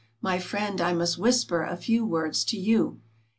My friend, I must whisper a few words to you.